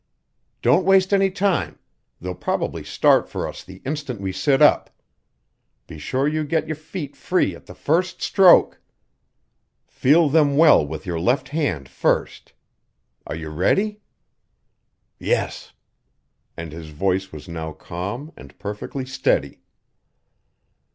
"Don't waste any time; they'll probably start for us the instant we sit up. Be sure you get your feet free at the first stroke; feel them well with your left hand first. Are you ready?" "Yes." And his voice was now calm and perfectly steady.